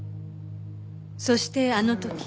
そしてあの時。